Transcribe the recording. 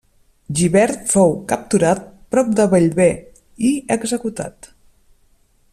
Gibert fou capturat prop de Bellver i executat.